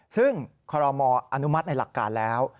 ซึ่งคอรมออนุมัติในหลักการแล้ว